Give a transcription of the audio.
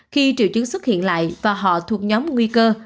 khi triệu chứng xuất hiện lại và họ thuộc nhóm nguy cơ